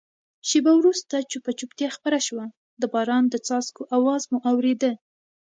شېبه وروسته چوپه چوپتیا خپره شوه، د باران د څاڅکو آواز مو اورېده.